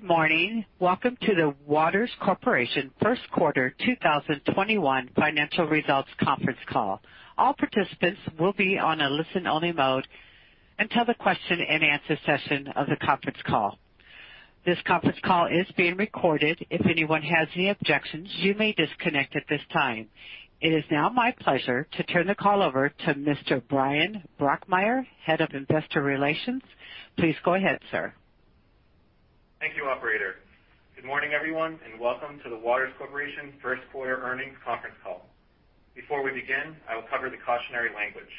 Good morning. Welcome to the Waters Corporation first quarter 2021 financial results conference call. All participants will be on a listen-only mode until the question and answer session of the conference call. This conference call is being recorded. If anyone has any objections, you may disconnect at this time. It is now my pleasure to turn the call over to Mr. Bryan Brokmeier Head of Investor Relations. Please go ahead, sir. Thank you, operator. Good morning, everyone, and welcome to the Waters Corporation first quarter earnings conference call. Before we begin, I will cover the cautionary language.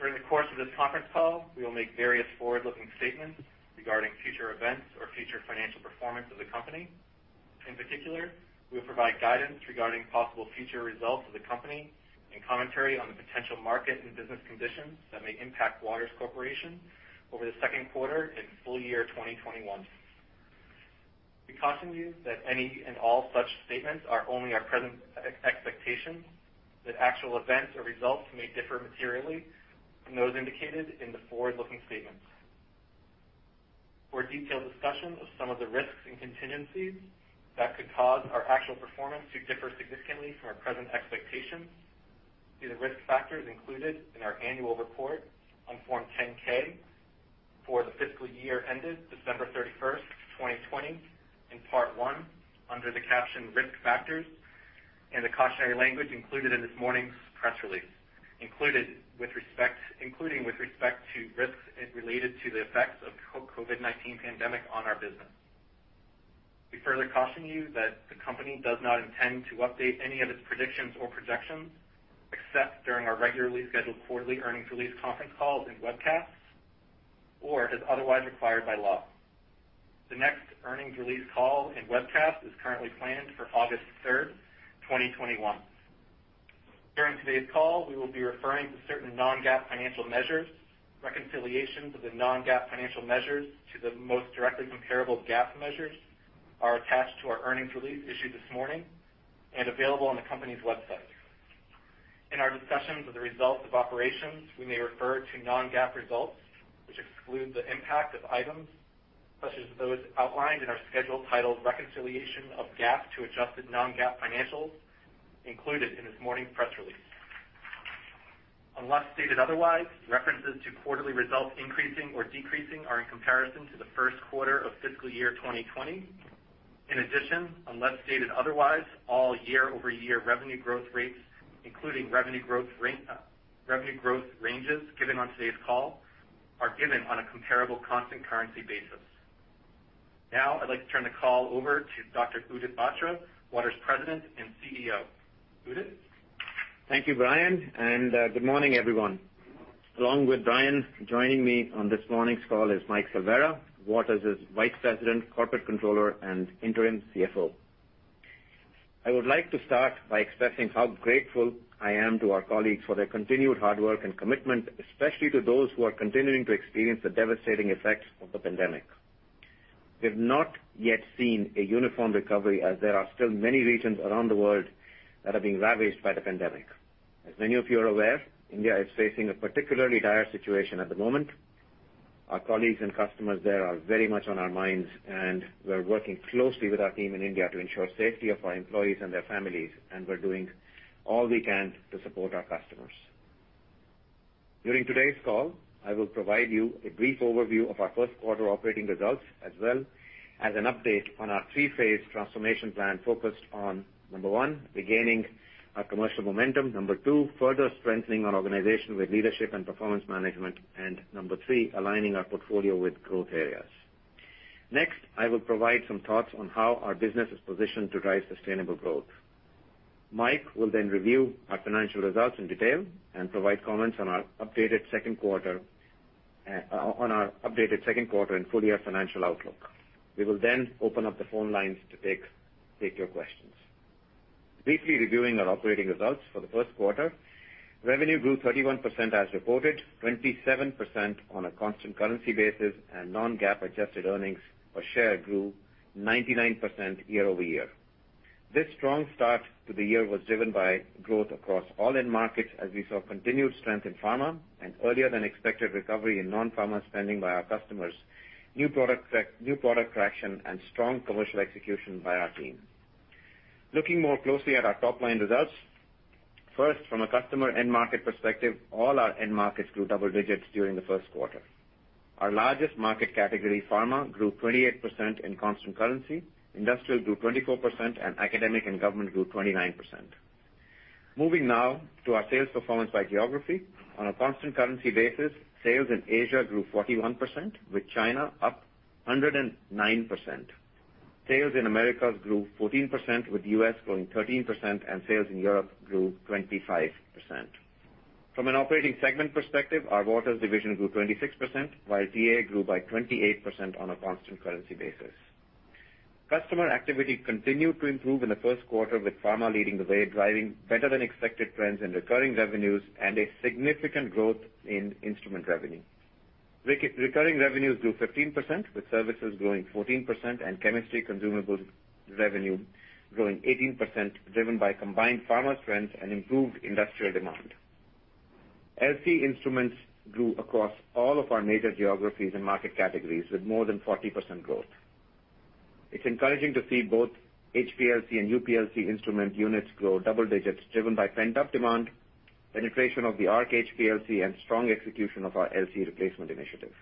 During the course of this conference call, we will make various forward-looking statements regarding future events or future financial performance of the company. In particular, we'll provide guidance regarding possible future results of the company and commentary on the potential market and business conditions that may impact Waters Corporation over the second quarter and full year 2021. We caution you that any and all such statements are only our present expectations, that actual events or results may differ materially from those indicated in the forward-looking statements. For a detailed discussion of some of the risks and contingencies that could cause our actual performance to differ significantly from our present expectations, see the risk factors included in our annual report on Form 10-K for the fiscal year ended December 31st, 2020 in part one under the caption Risk Factors and the cautionary language included in this morning's press release, including with respect to risks related to the effects of COVID-19 pandemic on our business. We further caution you that the company does not intend to update any of its predictions or projections, except during our regularly scheduled quarterly earnings release conference calls and webcasts, or as otherwise required by law. The next earnings release call and webcast is currently planned for August 3rd, 2021. During today's call, we will be referring to certain non-GAAP financial measures. Reconciliations of the non-GAAP financial measures to the most directly comparable GAAP measures are attached to our earnings release issued this morning and available on the company's website. In our discussions of the results of operations, we may refer to non-GAAP results, which exclude the impact of items such as those outlined in our schedule titled Reconciliation of GAAP to adjusted Non-GAAP Financials included in this morning's press release. Unless stated otherwise, references to quarterly results increasing or decreasing are in comparison to the first quarter of fiscal year 2020. In addition, unless stated otherwise, all year-over-year revenue growth rates, including revenue growth ranges given on today's call, are given on a comparable constant currency basis. Now, I'd like to turn the call over to Dr. Udit Batra, Waters President and Chief Executive Officer. Udit? Thank you, Bryan, good morning, everyone. Along with Bryan, joining me on this morning's call is Mike Silveira, Waters' Vice President, Corporate Controller, and Interim CFO. I would like to start by expressing how grateful I am to our colleagues for their continued hard work and commitment, especially to those who are continuing to experience the devastating effects of the pandemic. We've not yet seen a uniform recovery as there are still many regions around the world that are being ravaged by the pandemic. As many of you are aware, India is facing a particularly dire situation at the moment. Our colleagues and customers there are very much on our minds, and we're working closely with our team in India to ensure safety of our employees and their families, and we're doing all we can to support our customers. During today's call, I will provide you a brief overview of our first quarter operating results as well as an update on our three-phase transformation plan focused on, number one, regaining our commercial momentum, number two, further strengthening our organization with leadership and performance management, and number three, aligning our portfolio with growth areas. I will provide some thoughts on how our business is positioned to drive sustainable growth. Mike will review our financial results in detail and provide comments on our updated second quarter and full-year financial outlook. We will open up the phone lines to take your questions. Briefly reviewing our operating results for the first quarter, revenue grew 31% as reported, 27% on a constant currency basis, and non-GAAP adjusted earnings per share grew 99% year-over-year. This strong start to the year was driven by growth across all end markets as we saw continued strength in pharma and earlier than expected recovery in non-pharma spending by our customers, new product traction, and strong commercial execution by our team. Looking more closely at our top-line results, first, from a customer end market perspective, all our end markets grew double digits during the first quarter. Our largest market category, pharma, grew 28% in constant currency, industrial grew 24%, and academic and government grew 29%. Moving now to our sales performance by geography. On a constant currency basis, sales in Asia grew 41%, with China up 109%. Sales in Americas grew 14%, with U.S. growing 13%, and sales in Europe grew 25%. From an operating segment perspective, our Waters Division grew 26%, while TA grew by 28% on a constant currency basis. Customer activity continued to improve in the first quarter, with pharma leading the way, driving better than expected trends in recurring revenues and a significant growth in instrument revenue. Recurring revenues grew 15%, with services growing 14% and chemistry consumables revenue growing 18%, driven by combined pharma trends and improved industrial demand. LC instruments grew across all of our major geographies and market categories with more than 40% growth. It's encouraging to see both HPLC and UPLC instrument units grow double digits driven by pent-up demand, penetration of the Arc HPLC, and strong execution of our LC replacement initiative.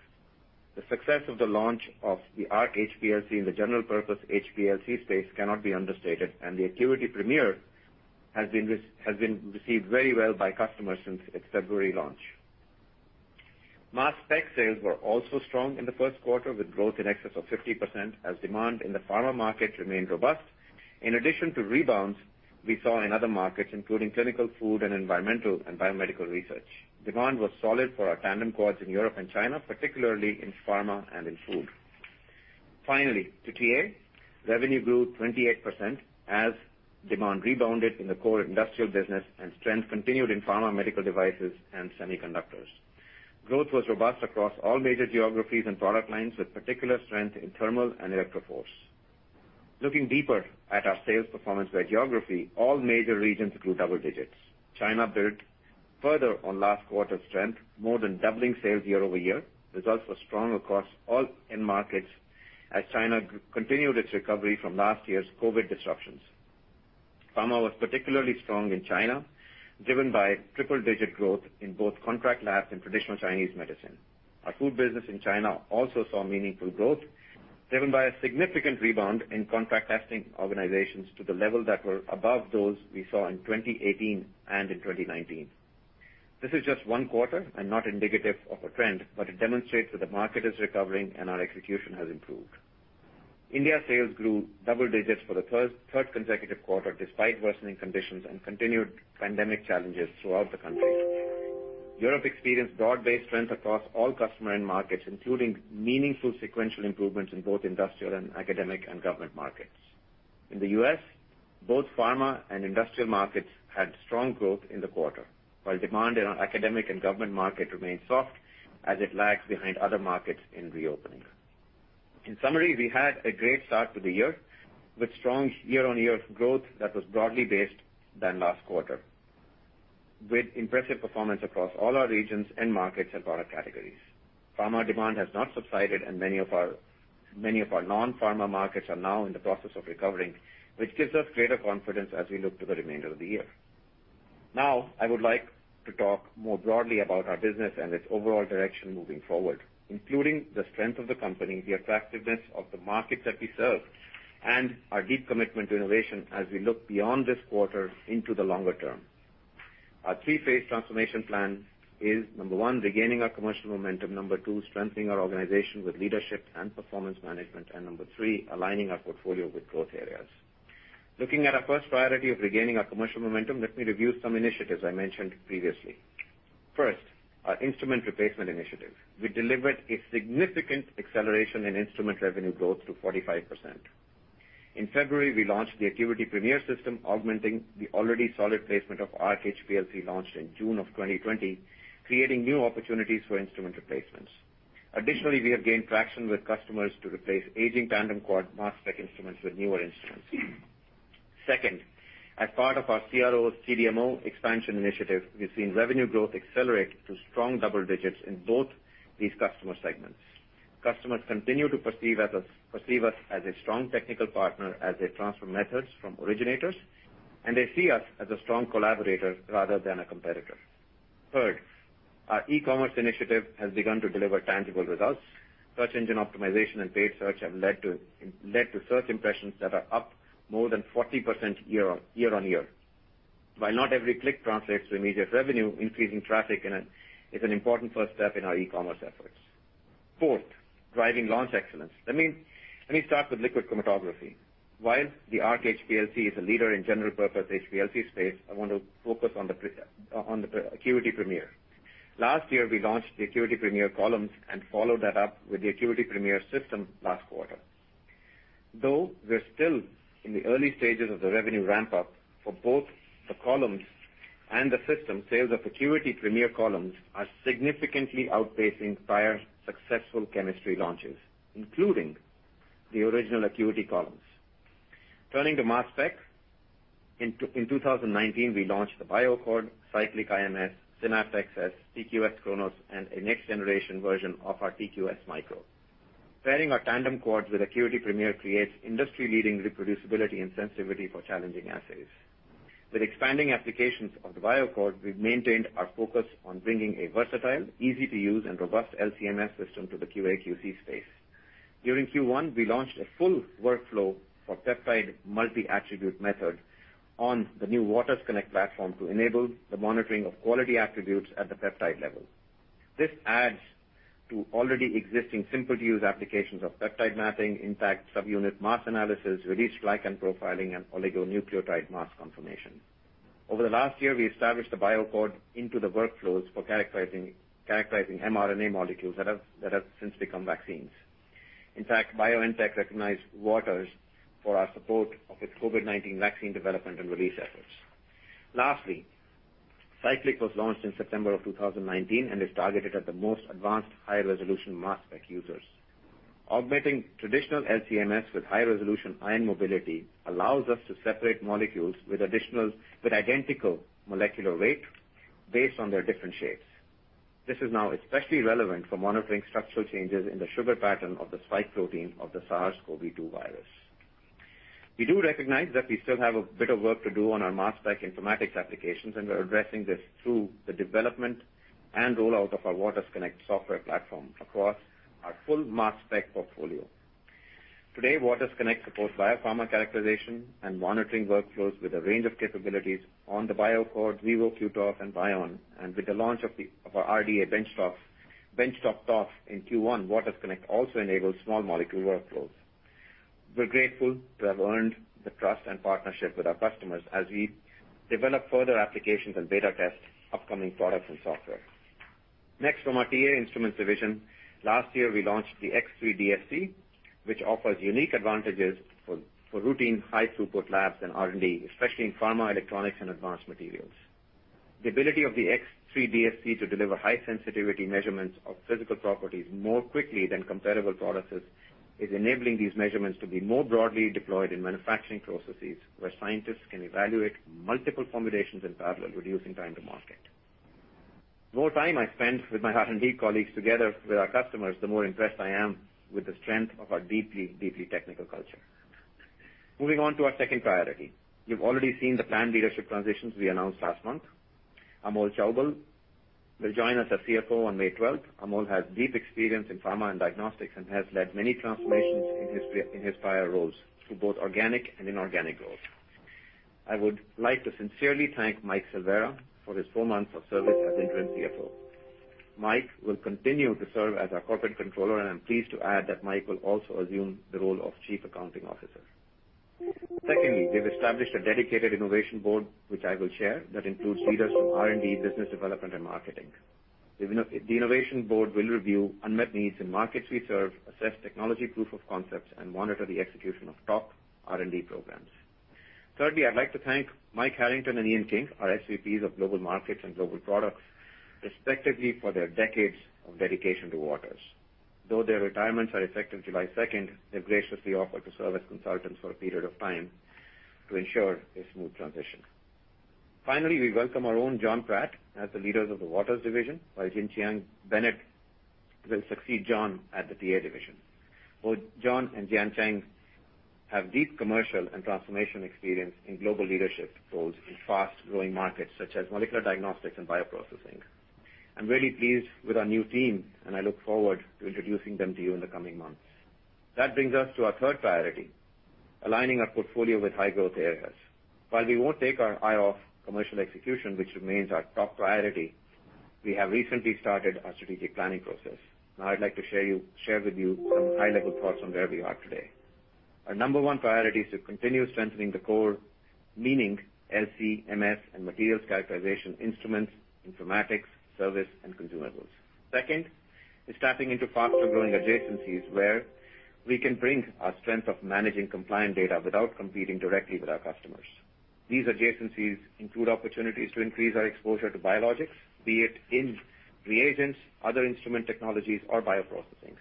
The success of the launch of the Arc HPLC in the general purpose HPLC space cannot be understated, and the ACQUITY PREMIER has been received very well by customers since its February launch. Mass spec sales were also strong in the first quarter, with growth in excess of 50%, as demand in the pharma market remained robust. In addition to rebounds, we saw in other markets, including clinical, food, and environmental and biomedical research. Demand was solid for our tandem quads in Europe and China, particularly in pharma and in food. Finally, to TA, revenue grew 28% as demand rebounded in the core industrial business and strength continued in pharma, medical devices, and semiconductors. Growth was robust across all major geographies and product lines, with particular strength in thermal and ElectroForce. Looking deeper at our sales performance by geography, all major regions grew double digits. China built further on last quarter's strength, more than doubling sales year-over-year. Results were strong across all end markets as China continued its recovery from last year's COVID disruptions. Pharma was particularly strong in China, driven by triple-digit growth in both contract labs and traditional Chinese medicine. Our food business in China also saw meaningful growth, driven by a significant rebound in contract testing organizations to the level that were above those we saw in 2018 and in 2019. This is just one quarter and not indicative of a trend, but it demonstrates that the market is recovering, and our execution has improved. India sales grew double digits for the third consecutive quarter, despite worsening conditions and continued pandemic challenges throughout the country. Europe experienced broad-based strength across all customer end markets, including meaningful sequential improvements in both industrial and academic and government markets. In the U.S., both pharma and industrial markets had strong growth in the quarter, while demand in our academic and government market remained soft as it lags behind other markets in reopening. In summary, we had a great start to the year with strong year-on-year growth that was broadly based than last quarter, with impressive performance across all our regions, end markets, and product categories. Pharma demand has not subsided. Many of our non-pharma markets are now in the process of recovering, which gives us greater confidence as we look to the remainder of the year. I would like to talk more broadly about our business and its overall direction moving forward, including the strength of the company, the attractiveness of the markets that we serve, and our deep commitment to innovation as we look beyond this quarter into the longer term. Our three-phase transformation plan is, number one, regaining our commercial momentum, number two, strengthening our organization with leadership and performance management, number three, aligning our portfolio with growth areas. Looking at our first priority of regaining our commercial momentum, let me review some initiatives I mentioned previously. First, our instrument replacement initiative. We delivered a significant acceleration in instrument revenue growth to 45%. In February, we launched the ACQUITY PREMIER System, augmenting the already solid placement of Arc HPLC launched in June of 2020, creating new opportunities for instrument replacements. Additionally, we have gained traction with customers to replace aging tandem quad mass spec instruments with newer instruments. Second, as part of our CRO/CDMO expansion initiative, we've seen revenue growth accelerate to strong double digits in both these customer segments. Customers continue to perceive us as a strong technical partner as they transfer methods from originators, and they see us as a strong collaborator rather than a competitor. Third, our e-commerce initiative has begun to deliver tangible results. Search engine optimization and paid search have led to search impressions that are up more than 40% year-over-year. While not every click translates to immediate revenue, increasing traffic is an important first step in our e-commerce efforts. Fourth, driving launch excellence. Let me start with liquid chromatography. While the Arc HPLC is a leader in general purpose HPLC space, I want to focus on the ACQUITY PREMIER. Last year, we launched the ACQUITY PREMIER Columns and followed that up with the ACQUITY PREMIER System last quarter. Though we're still in the early stages of the revenue ramp-up for both the columns and the system, sales of ACQUITY PREMIER Columns are significantly outpacing prior successful chemistry launches, including the original ACQUITY Columns. Turning to mass specs, in 2019, we launched the BioAccord, Cyclic IMS, SYNAPT XS, TQ-S cronos, and a next-generation version of our TQ-S micro. Pairing our tandem quads with ACQUITY PREMIER creates industry-leading reproducibility and sensitivity for challenging assays. With expanding applications of the BioAccord, we've maintained our focus on bringing a versatile, easy-to-use, and robust LC-MS system to the QA/QC space. During Q1, we launched a full workflow for peptide multi-attribute method on the new waters_connect platform to enable the monitoring of quality attributes at the peptide level. This adds to already existing simple use applications of peptide mapping, intact subunit mass analysis, released glycan profiling, and oligonucleotide mass confirmation. Over the last year, we established the BioAccord into the workflows for characterizing mRNA molecules that have since become vaccines. In fact, BioNTech recognized Waters for our support of its COVID-19 vaccine development and release efforts. Lastly, Cyclic was launched in September of 2019 and is targeted at the most advanced high-resolution mass spec users. Augmenting traditional LC-MS with high-resolution ion mobility allows us to separate molecules with identical molecular weight based on their different shapes. This is now especially relevant for monitoring structural changes in the sugar pattern of the spike protein of the SARS-CoV-2 virus. We do recognize that we still have a bit of work to do on our mass spec informatics applications, and we're addressing this through the development and rollout of our waters_connect software platform across our full mass spec portfolio. Today, waters_connect supports biopharma characterization and monitoring workflows with a range of capabilities on the BioAccord, Xevo, Q-TOF, and Bioion. With the launch of our RDa benchtop TOF in Q1, waters_connect also enables small molecule workflows. We're grateful to have earned the trust and partnership with our customers as we develop further applications and beta test upcoming products and software. Next, from our TA Instruments division. Last year, we launched the X3DSC, which offers unique advantages for routine high-throughput labs and R&D, especially in pharma, electronics, and advanced materials. The ability of the X3DSC to deliver high-sensitivity measurements of physical properties more quickly than comparable products is enabling these measurements to be more broadly deployed in manufacturing processes, where scientists can evaluate multiple formulations in parallel, reducing time to market. The more time I spend with my R&D colleagues, together with our customers, the more impressed I am with the strength of our deeply technical culture. Moving on to our second priority. You've already seen the planned leadership transitions we announced last month. Amol Chaubal will join us as CFO on May 12th. Amol has deep experience in pharma and diagnostics and has led many transformations in his prior roles through both organic and inorganic growth. I would like to sincerely thank Mike Silveria for his four months of service as interim CFO. Mike will continue to serve as our Corporate Controller, and I'm pleased to add that Mike will also assume the role of Chief Accounting Officer. Secondly, we've established a dedicated innovation board, which I will chair, that includes leaders from R&D, business development, and marketing. The innovation board will review unmet needs in markets we serve, assess technology proof of concepts, and monitor the execution of top R&D programs. Thirdly, I'd like to thank Mike Harrington and Ian King, our SVPs of Global Markets and Global Products, respectively, for their decades of dedication to Waters. Though their retirements are effective July 2nd, they've graciously offered to serve as consultants for a period of time to ensure a smooth transition. Finally, we welcome our own Jon Pratt as the leader of the Waters division, while Jianqing Bennett will succeed Jon at the TA Instruments division. Both Jon and Jianqing have deep commercial and transformation experience in global leadership roles in fast-growing markets such as molecular diagnostics and bioprocessing. I'm really pleased with our new team, and I look forward to introducing them to you in the coming months. That brings us to our third priority, aligning our portfolio with high-growth areas. While we won't take our eye off commercial execution, which remains our top priority, we have recently started our strategic planning process. I'd like to share with you some high-level thoughts on where we are today. Our number one priority is to continue strengthening the core, meaning LC, MS, and materials characterization instruments, informatics, service, and consumables. Second is tapping into faster-growing adjacencies where we can bring our strength of managing compliant data without competing directly with our customers. These adjacencies include opportunities to increase our exposure to biologics, be it in reagents, other instrument technologies, or bioprocessing,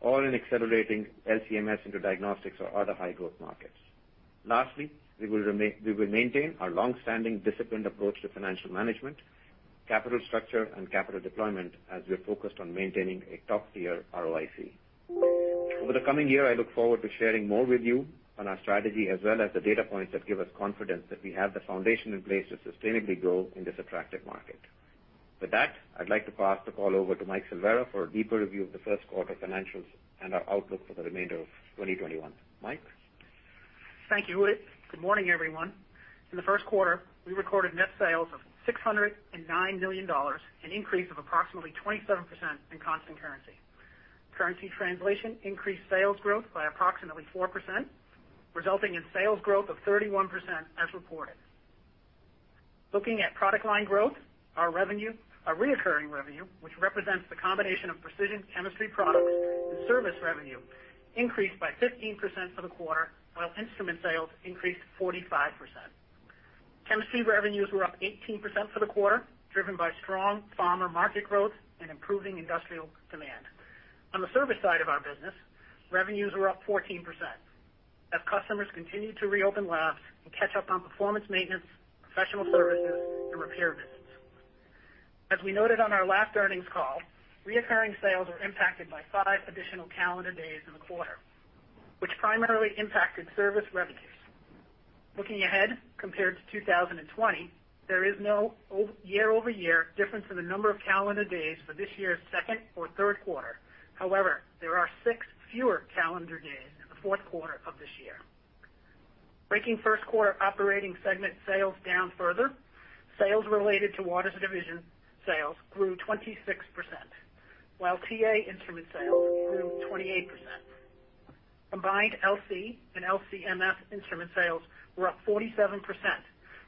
or in accelerating LC-MS into diagnostics or other high-growth markets. Lastly, we will maintain our long-standing disciplined approach to financial management, capital structure, and capital deployment as we are focused on maintaining a top-tier ROIC. Over the coming year, I look forward to sharing more with you on our strategy, as well as the data points that give us confidence that we have the foundation in place to sustainably grow in this attractive market. With that, I'd like to pass the call over to Mike Silveira for a deeper review of the first quarter financials and our outlook for the remainder of 2021. Mike? Thank you, Udit. Good morning, everyone. In the first quarter, we recorded net sales of $609 million, an increase of approximately 27% in constant currency. Currency translation increased sales growth by approximately 4%, resulting in sales growth of 31% as reported. Looking at product line growth, our recurring revenue, which represents the combination of precision chemistry products and service revenue, increased by 15% for the quarter, while instrument sales increased 45%. Chemistry revenues were up 18% for the quarter, driven by strong pharma market growth and improving industrial demand. On the service side of our business, revenues were up 14% as customers continued to reopen labs and catch up on performance maintenance, professional services, and repair visits. As we noted on our last earnings call, recurring sales were impacted by five additional calendar days in the quarter, which primarily impacted service revenues. Looking ahead, compared to 2020, there is no year-over-year difference in the number of calendar days for this year's second or third quarter. However, there are six fewer calendar days in the fourth quarter of this year. Breaking first quarter operating segment sales down further, sales related to Waters Division sales grew 26%, while TA Instruments sales grew 28%. Combined LC and LC-MS instrument sales were up 47%,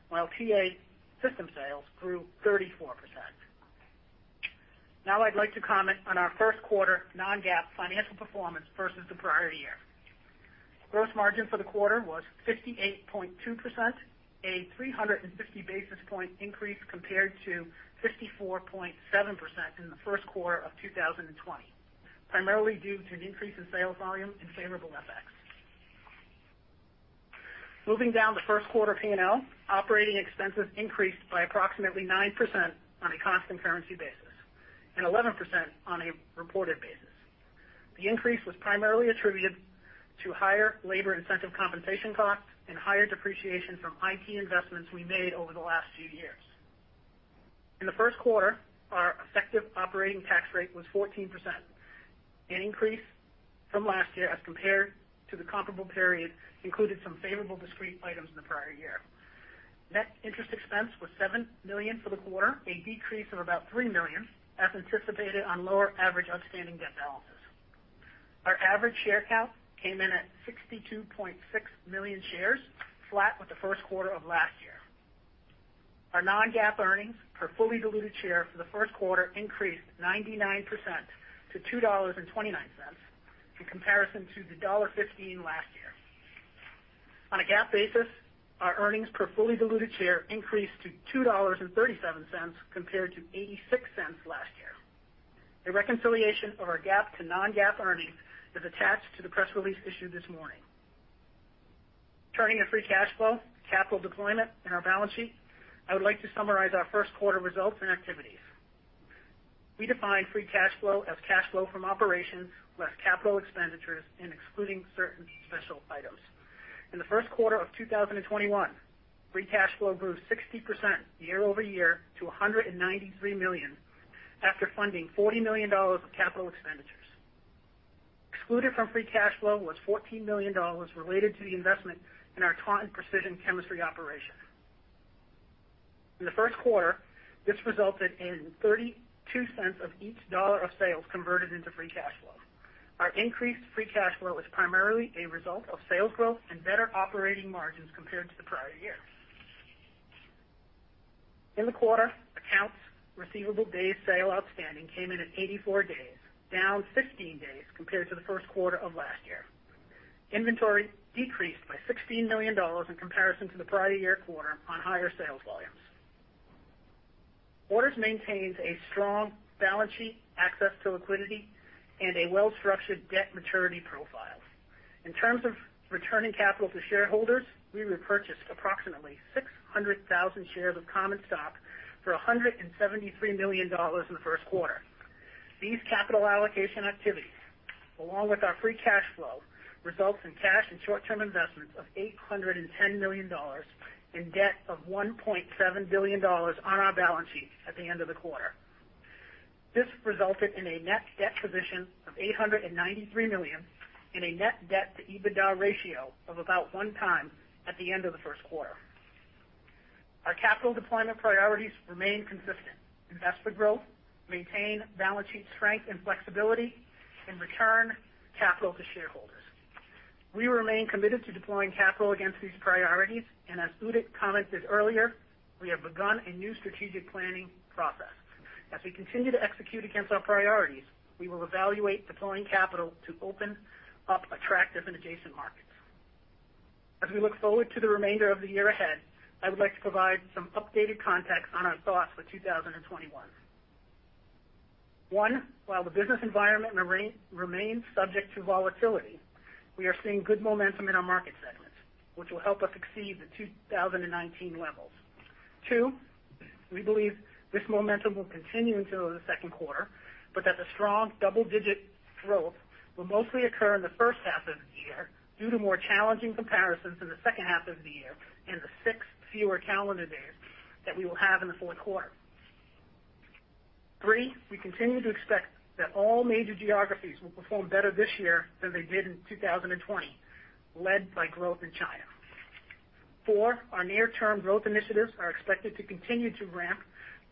while TA system sales grew 34%. Now I'd like to comment on our first quarter non-GAAP financial performance versus the prior year. Gross margin for the quarter was 58.2%, a 350 basis point increase compared to 54.7% in the first quarter of 2020, primarily due to an increase in sales volume and favorable FX. Moving down the first quarter P&L, operating expenses increased by approximately 9% on a constant currency basis and 11% on a reported basis. The increase was primarily attributed to higher labor incentive compensation costs and higher depreciation from IT investments we made over the last few years. In the first quarter, our effective operating tax rate was 14%, an increase from last year as compared to the comparable period, included some favorable discrete items in the prior year. Net interest expense was $7 million for the quarter, a decrease of about $3 million, as anticipated on lower average outstanding debt balances. Our average share count came in at 62.6 million shares, flat with the first quarter of last year. Our non-GAAP earnings per fully diluted share for the first quarter increased 99% to $2.29 in comparison to $1.15 last year. On a GAAP basis, our earnings per fully diluted share increased to $2.37 compared to $0.86 last year. A reconciliation of our GAAP to non-GAAP earnings is attached to the press release issued this morning. Turning to free cash flow, capital deployment, and our balance sheet, I would like to summarize our first quarter results and activities. We define free cash flow as cash flow from operations, less capital expenditures, and excluding certain special items. In the first quarter of 2021, free cash flow grew 60% year-over-year to $193 million after funding $40 million of capital expenditures. Excluded from free cash flow was $14 million related to the investment in our Taunton Precision Chemistry operation. In the first quarter, this resulted in $0.32 of each dollar of sales converted into free cash flow. Our increased free cash flow is primarily a result of sales growth and better operating margins compared to the prior year. In the quarter, accounts receivable days sales outstanding came in at 84 days, down 16 days compared to the first quarter of last year. Inventory decreased by $16 million in comparison to the prior year quarter on higher sales volumes. Waters maintains a strong balance sheet, access to liquidity, and a well-structured debt maturity profile. In terms of returning capital to shareholders, we repurchased approximately 600,000 shares of common stock for $173 million in the first quarter. These capital allocation activities, along with our free cash flow, results in cash and short-term investments of $810 million in debt of $1.7 billion on our balance sheet at the end of the quarter. This resulted in a net debt position of $893 million and a net debt to EBITDA ratio of about one time at the end of the first quarter. Our capital deployment priorities remain consistent: invest for growth, maintain balance sheet strength and flexibility, and return capital to shareholders. We remain committed to deploying capital against these priorities, and as Udit commented earlier, we have begun a new strategic planning process. As we continue to execute against our priorities, we will evaluate deploying capital to open up attractive and adjacent markets. As we look forward to the remainder of the year ahead, I would like to provide some updated context on our thoughts for 2021. One, while the business environment remains subject to volatility, we are seeing good momentum in our market segments, which will help us exceed the 2019 levels. Two, we believe this momentum will continue into the second quarter, but that the strong double-digit growth will mostly occur in the first half of the year due to more challenging comparisons in the second half of the year and the six fewer calendar days that we will have in the fourth quarter. Three, we continue to expect that all major geographies will perform better this year than they did in 2020, led by growth in China. Four, our near-term growth initiatives are expected to continue to ramp,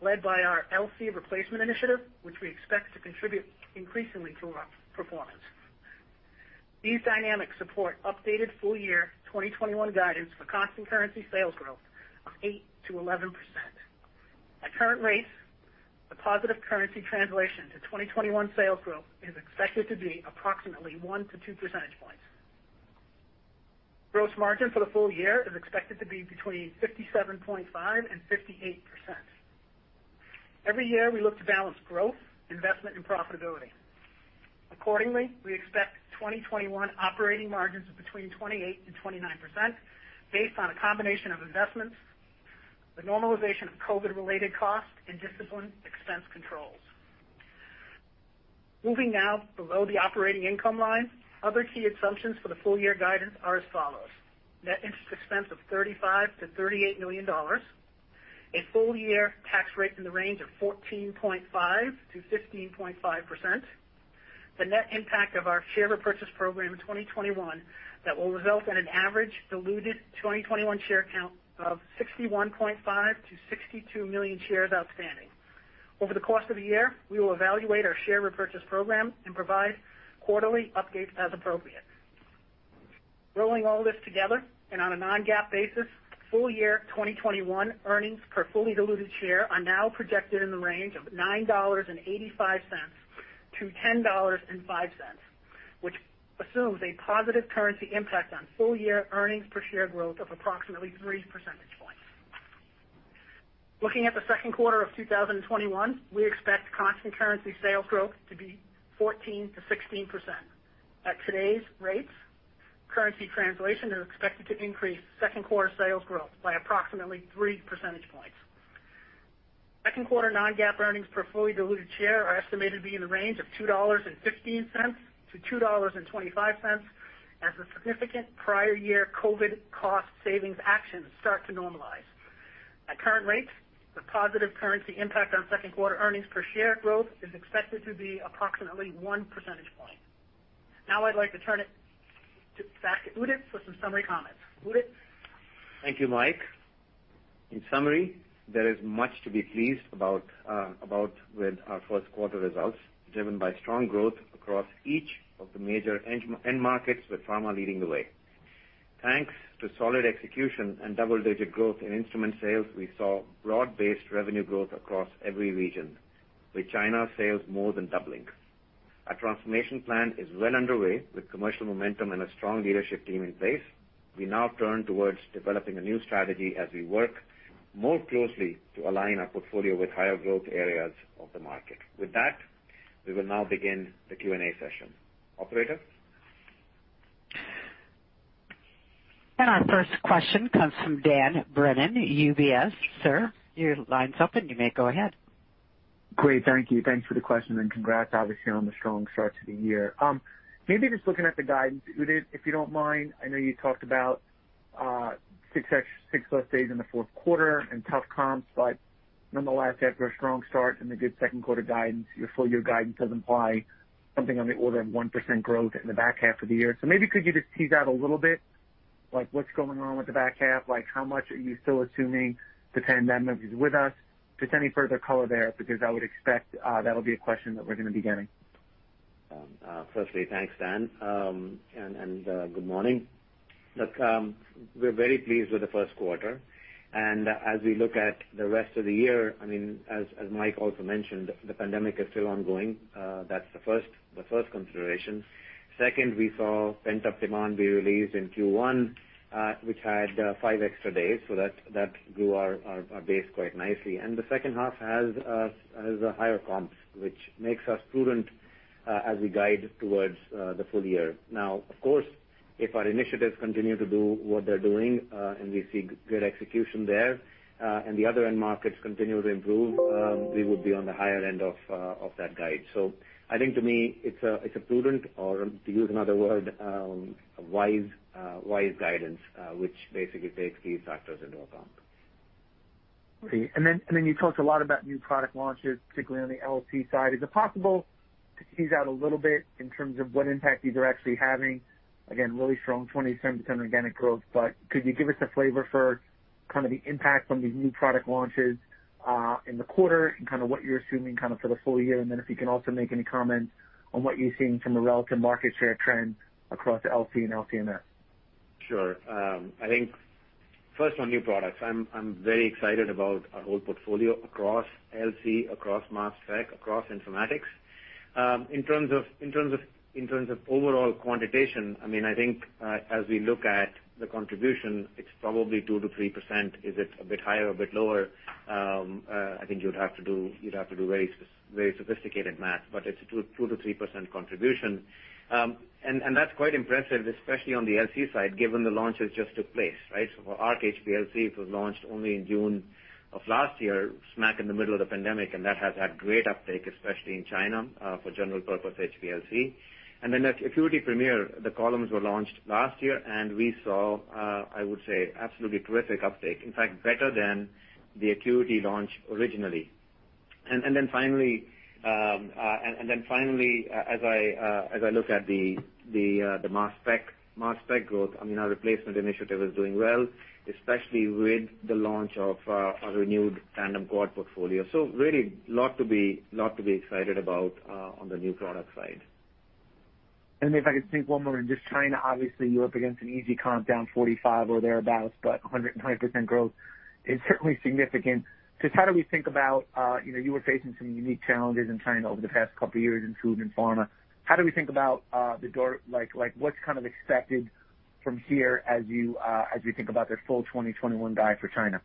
led by our LC replacement initiative, which we expect to contribute increasingly to our performance. These dynamics support updated full-year 2021 guidance for constant currency sales growth of 8%-11%. At current rates, the positive currency translation to 2021 sales growth is expected to be approximately 1-2 percentage points. Gross margin for the full year is expected to be between 57.5% and 58%. Every year, we look to balance growth, investment, and profitability. Accordingly, we expect 2021 operating margins of between 28% and 29%, based on a combination of investments, the normalization of COVID-related costs, and disciplined expense controls. Moving now below the operating income line, other key assumptions for the full-year guidance are as follows. Net interest expense of $35 million-$38 million, a full-year tax rate in the range of 14.5%-15.5%, the net impact of our share repurchase program in 2021 that will result in an average diluted 2021 share count of 61.5 million-62 million shares outstanding. Over the course of the year, we will evaluate our share repurchase program and provide quarterly updates as appropriate. Rolling all this together and on a non-GAAP basis, full-year 2021 earnings per fully diluted share are now projected in the range of $9.85-$10.05, which assumes a positive currency impact on full-year earnings per share growth of approximately three percentage points. Looking at the second quarter of 2021, we expect constant currency sales growth to be 14%-16%. At today's rates, currency translation is expected to increase second-quarter sales growth by approximately three percentage points. Second quarter non-GAAP earnings per fully diluted share are estimated to be in the range of $2.15-$2.25 as the significant prior year COVID cost savings actions start to normalize. At current rates, the positive currency impact on second-quarter earnings per share growth is expected to be approximately one percentage point. Now I'd like to turn it back to Udit for some summary comments. Udit? Thank you, Mike. In summary, there is much to be pleased about with our first quarter results, driven by strong growth across each of the major end markets, with pharma leading the way. Thanks to solid execution and double-digit growth in instrument sales, we saw broad-based revenue growth across every region, with China sales more than doubling. Our transformation plan is well underway, with commercial momentum and a strong leadership team in place. We now turn towards developing a new strategy as we work more closely to align our portfolio with higher growth areas of the market. With that, we will now begin the Q&A session. Operator? Our first question comes from Dan Brennan, UBS. Sir, your line's open. You may go ahead. Great. Thank you. Thanks for the question, and congrats, obviously, on the strong start to the year. Maybe just looking at the guidance, Udit, if you don't mind, I know you talked about six less days in the fourth quarter and tough comps, nonetheless, after a strong start and the good second quarter guidance, your full-year guidance does imply something on the order of 1% growth in the back half of the year. Maybe could you just tease out a little bit, like what's going on with the back half? How much are you still assuming the pandemic is with us? Just any further color there, because I would expect that'll be a question that we're going to be getting. Thanks, Dan, and good morning. Look, we're very pleased with the first quarter. As we look at the rest of the year, as Mike also mentioned, the pandemic is still ongoing. That's the first consideration. Second, we saw pent-up demand be released in Q1, which had five extra days, that grew our base quite nicely. The second half has higher comps, which makes us prudent as we guide towards the full year. Of course, if our initiatives continue to do what they're doing, and we see good execution there, and the other end markets continue to improve, we would be on the higher end of that guide. I think to me, it's a prudent, or to use another word, a wise guidance, which basically takes these factors into account. Great. You talked a lot about new product launches, particularly on the LC side. Is it possible to tease out a little bit in terms of what impact these are actually having? Really strong 27% organic growth, could you give us a flavor for kind of the impact from these new product launches in the quarter and kind of what you're assuming kind of for the full year? If you can also make any comments on what you're seeing from a relative market share trend across LC and LC-MS. Sure. I think first on new products, I'm very excited about our whole portfolio across LC, across mass spec, across informatics. In terms of overall quantitation, I think as we look at the contribution, it's probably 2%-3%. Is it a bit higher or a bit lower? I think you'd have to do very sophisticated math, but it's a 2%-3% contribution. That's quite impressive, especially on the LC side, given the launch has just took place, right? So for Arc HPLC, it was launched only in June of last year, smack in the middle of the pandemic, and that has had great uptake, especially in China, for general purpose HPLC. ACQUITY PREMIER, the columns were launched last year, and we saw, I would say, absolutely terrific uptake. In fact, better than the ACQUITY launch originally. Finally, as I look at the mass spec growth, our replacement initiative is doing well, especially with the launch of our renewed Tandem Quad portfolio. Really a lot to be excited about on the new product side. If I could sneak one more in, just China, obviously, you're up against an easy comp, down 45% or thereabouts, 120% growth is certainly significant. Just how do we think about? You were facing some unique challenges in China over the past couple of years in food and pharma. How do we think about what's kind of expected from here as we think about the full 2021 guide for China?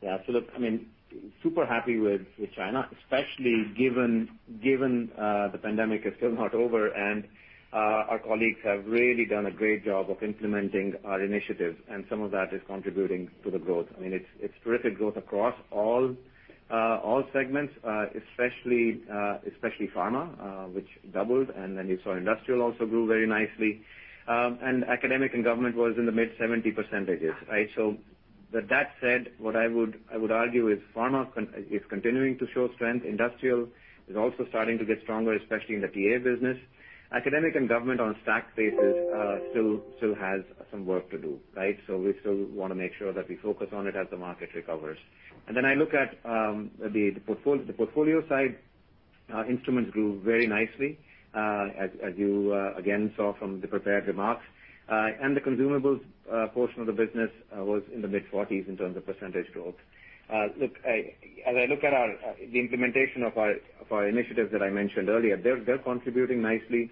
Yeah. Look, super happy with China, especially given the pandemic is still not over, and our colleagues have really done a great job of implementing our initiatives, and some of that is contributing to the growth. It's terrific growth across all segments, especially pharma, which doubled. You saw industrial also grew very nicely. Academic and government was in the mid 70%, right? With that said, what I would argue is pharma is continuing to show strength. Industrial is also starting to get stronger, especially in the TA business. Academic and government on a stack basis still has some work to do, right? We still want to make sure that we focus on it as the market recovers. I look at the portfolio side. Our instruments grew very nicely, as you again saw from the prepared remarks. The consumables portion of the business was in the mid-40s in terms of percentage growth. Look, as I look at the implementation of our initiatives that I mentioned earlier, they're contributing nicely.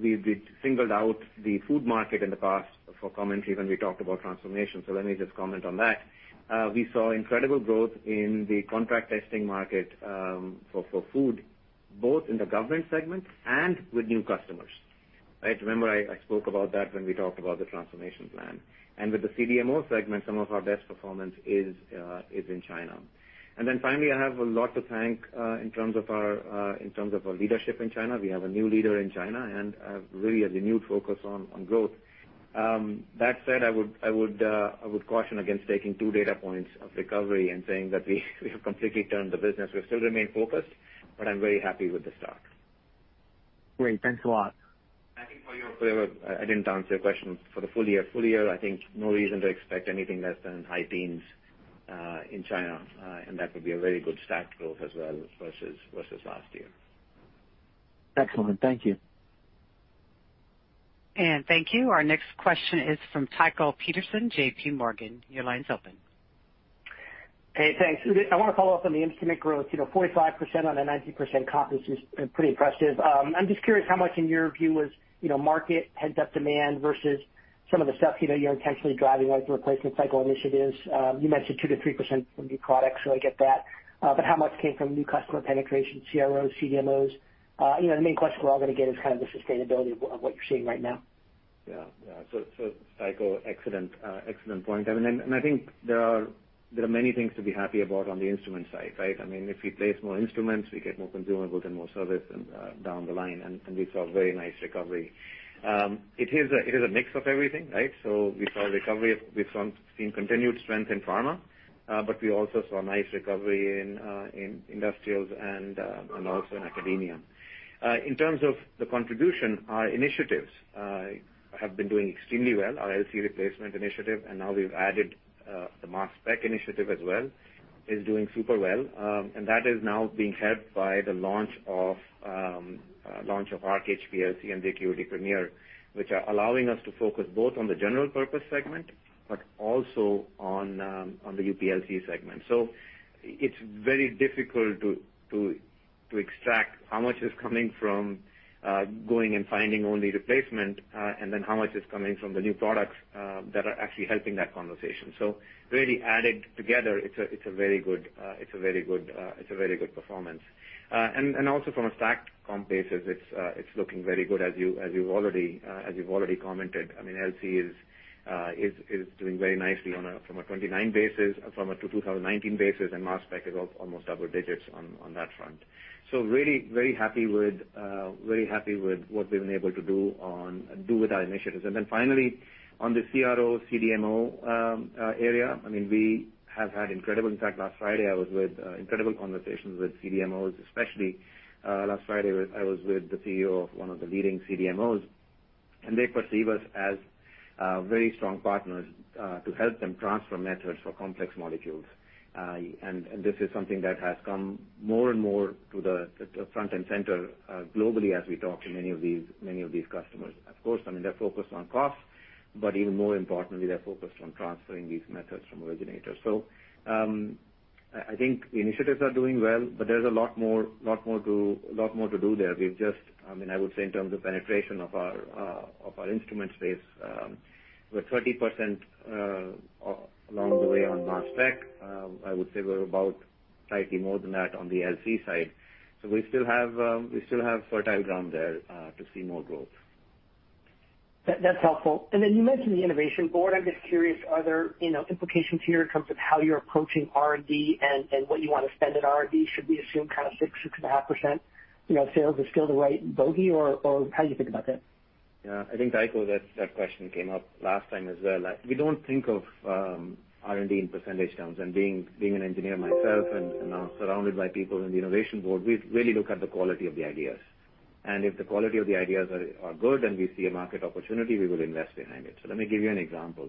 We'd singled out the food market in the past for commentary when we talked about transformation, so let me just comment on that. We saw incredible growth in the contract testing market for food, both in the government segment and with new customers. Right? Remember, I spoke about that when we talked about the transformation plan. With the CDMO segment, some of our best performance is in China. Then finally, I have a lot to thank in terms of our leadership in China. We have a new leader in China, and really a renewed focus on growth. I would caution against taking two data points of recovery and saying that we have completely turned the business. We still remain focused, but I'm very happy with the start. Great. Thanks a lot. I think I didn't answer your question for the full year. Full year, I think no reason to expect anything less than high teens in China. That would be a very good stack growth as well versus last year. Excellent. Thank you. Thank you. Our next question is from Tycho Peterson, JPMorgan. Your line's open. Hey, thanks. Udit, I want to follow up on the instrument growth. 45% on a 19% comp is pretty impressive. I'm just curious how much in your view was market heads up demand versus some of the stuff you're intentionally driving, like the replacement cycle initiatives. You mentioned 2%-3% from new products, so I get that. How much came from new customer penetration, CROs, CDMOs? The main question we're all going to get is the sustainability of what you're seeing right now. Yeah. Tycho, excellent point. I think there are many things to be happy about on the instrument side, right? If we place more instruments, we get more consumables and more service down the line, and we saw a very nice recovery. It is a mix of everything, right? We saw recovery. We've seen continued strength in pharma, but we also saw nice recovery in industrials and also in academia. In terms of the contribution, our initiatives have been doing extremely well. Our LC replacement initiative, and now we've added the mass spec initiative as well, is doing super well. That is now being helped by the launch of Arc HPLC and the ACQUITY PREMIER, which are allowing us to focus both on the general purpose segment, but also on the UPLC segment. It's very difficult to extract how much is coming from going and finding only replacement, and then how much is coming from the new products that are actually helping that conversation. Really added together, it's a very good performance. Also from a stacked comp basis, it's looking very good as you've already commented. LC is doing very nicely from a '2029 basis, from a 2019 basis, and mass spec is almost double digits on that front. Very happy with what we've been able to do with our initiatives. Finally, on the CRO CDMO area, In fact, last Friday, I was with incredible conversations with CDMOs, especially, last Friday, I was with the CEO of one of the leading CDMOs, and they perceive us as very strong partners to help them transfer methods for complex molecules. This is something that has come more and more to the front and center globally as we talk to many of these customers. Of course, they're focused on cost, but even more importantly, they're focused on transferring these methods from originators. I think the initiatives are doing well, but there's a lot more to do there. I would say in terms of penetration of our instrument space, we're 30% along the way on mass spec. I would say we're about slightly more than that on the LC side. We still have fertile ground there to see more growth. That's helpful. You mentioned the innovation board. I'm just curious, are there implications here in terms of how you're approaching R&D and what you want to spend in R&D? Should we assume kind of 6%, 6.5% sales is still the right bogey, or how do you think about that? I think, Tycho, that question came up last time as well. We don't think of R&D in percentage terms. Being an engineer myself and now surrounded by people in the innovation board, we really look at the quality of the ideas. If the quality of the ideas are good and we see a market opportunity, we will invest behind it. Let me give you an example.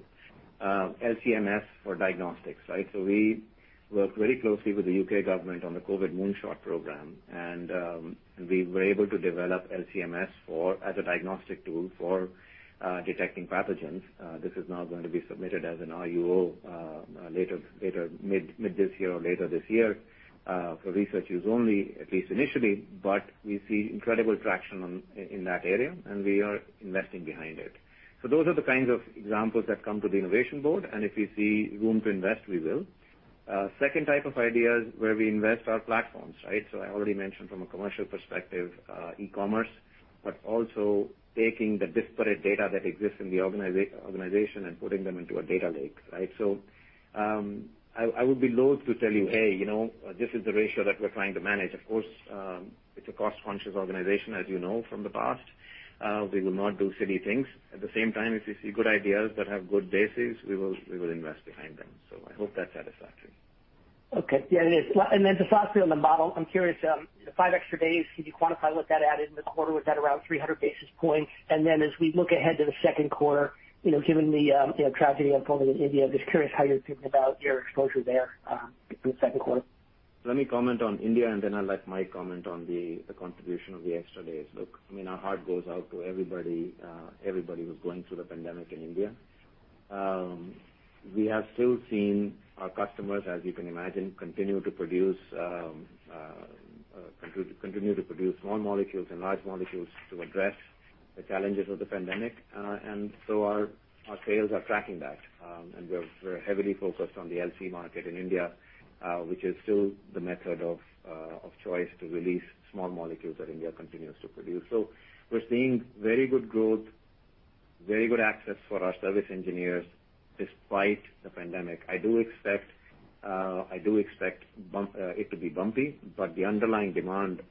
LC-MS for diagnostics, right? We work very closely with the U.K. government on the Operation Moonshot program, and we were able to develop LC-MS as a diagnostic tool for detecting pathogens. This is now going to be submitted as an RUO mid this year or later this year, for research use only, at least initially. We see incredible traction in that area, and we are investing behind it. Those are the kinds of examples that come to the innovation board, and if we see room to invest, we will. Second type of ideas where we invest are platforms, right? I already mentioned from a commercial perspective, e-commerce, but also taking the disparate data that exists in the organization and putting them into a data lake, right? I would be loathe to tell you, "Hey, this is the ratio that we're trying to manage." Of course, it's a cost-conscious organization, as you know from the past. We will not do silly things. At the same time, if we see good ideas that have good bases, we will invest behind them. I hope that's satisfactory. Okay. Yeah, it is. The phosphate on the model, I'm curious, the five extra days, could you quantify what that added in the quarter? Was that around 300 basis points? As we look ahead to the second quarter, given the tragedy unfolding in India, I'm just curious how you're thinking about your exposure there through the second quarter. Let me comment on India and then I'll let Mike comment on the contribution of the extra days. Look, our heart goes out to everybody who's going through the pandemic in India. We have still seen our customers, as you can imagine, continue to produce small molecules and large molecules to address the challenges of the pandemic. Our sales are tracking that. We're heavily focused on the LC market in India, which is still the method of choice to release small molecules that India continues to produce. We're seeing very good growth, very good access for our service engineers despite the pandemic. I do expect it to be bumpy, the underlying demand,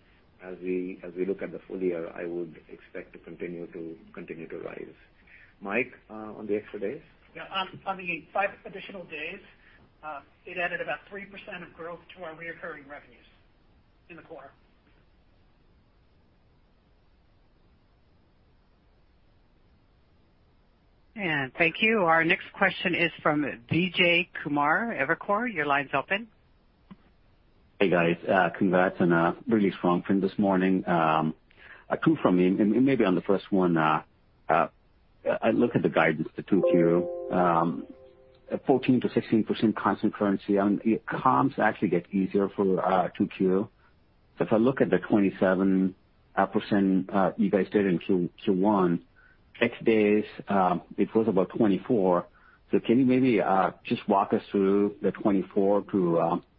as we look at the full year, I would expect to continue to rise. Mike, on the extra days? Yeah. On the five additional days, it added about 3% of growth to our recurring revenues in the quarter. Thank you. Our next question is from Vijay Kumar, Evercore. Your line's open. Hey, guys. Congrats on a really strong print this morning. Two from me, and maybe on the first one, I look at the guidance to 2Q, 14%-16% constant currency, and comps actually get easier for 2Q. If I look at the 27% you guys did in Q1, X days, it was about 24%. Can you maybe just walk us through the 24%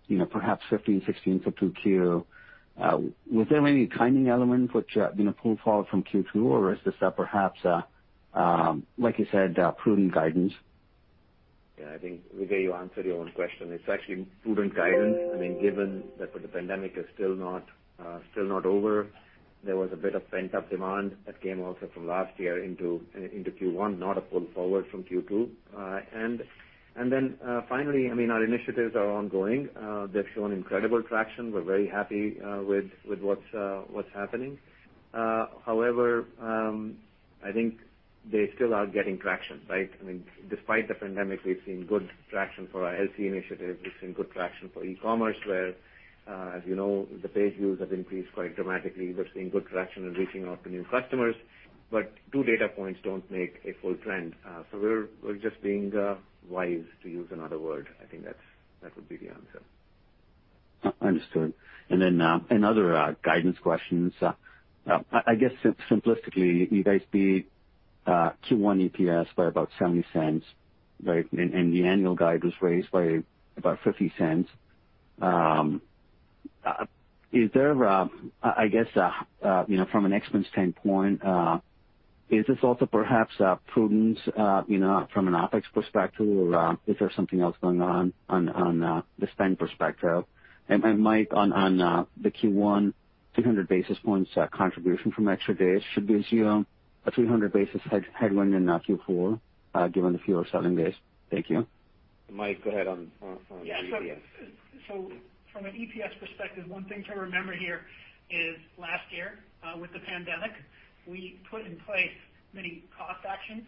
to perhaps 15%, 16% for 2Q? Was there any timing element which pulled forward from Q2, or is this perhaps, like you said, prudent guidance? Yeah, I think, Vijay, you answered your own question. It's actually prudent guidance. Given that the pandemic is still not over, there was a bit of pent-up demand that came also from last year into Q1, not a pull forward from Q2. Finally, our initiatives are ongoing. They've shown incredible traction. We're very happy with what's happening. However, I think they still are getting traction, right? Despite the pandemic, we've seen good traction for our LC initiatives. We've seen good traction for e-commerce, where, as you know, the page views have increased quite dramatically. We're seeing good traction in reaching out to new customers. Two data points don't make a full trend. We're just being wise, to use another word. I think that would be the answer. Understood. Another guidance question. I guess simplistically, you guys beat Q1 EPS by about $0.70, right? The annual guide was raised by about $0.50. From an expense standpoint, is this also perhaps prudence from an OpEx perspective? Is there something else going on the spend perspective? Mike, on the Q1, 300 basis points contribution from extra days, should we assume a 300 basis headwind in Q4, given the fewer selling days? Thank you. Mike, go ahead on EPS. From an EPS perspective, one thing to remember here is last year, with the pandemic, we put in place many cost actions.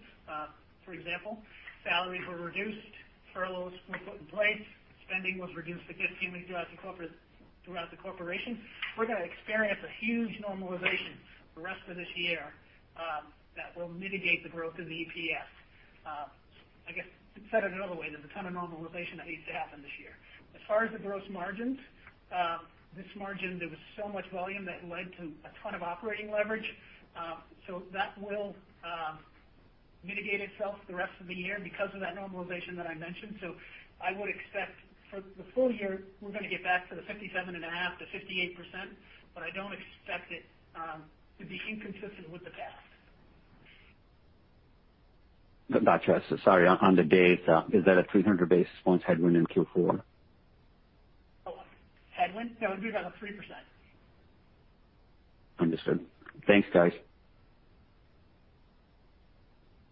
For example, salaries were reduced, furloughs were put in place. Spending was reduced significantly throughout the corporation. We're going to experience a huge normalization the rest of this year that will mitigate the growth in the EPS. I guess, to say it another way, there's a ton of normalization that needs to happen this year. As far as the gross margins, this margin, there was so much volume that it led to a ton of operating leverage. That will mitigate itself the rest of the year because of that normalization that I mentioned. I would expect for the full year, we're going to get back to the 57.5%-58%, but I don't expect it to be inconsistent with the past. Gotcha. Sorry, on the days, is that a 300 basis points headwind in Q4? Headwind? No, it'd be about a 3%. Understood. Thanks, guys.